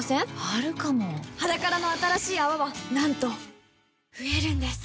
あるかも「ｈａｄａｋａｒａ」の新しい泡はなんと増えるんです